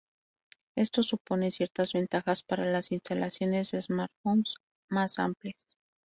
Esto supone ciertas ventajas para las instalaciones de Smart Homes más amplias.